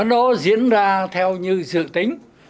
đó diễn ra theo như dự tính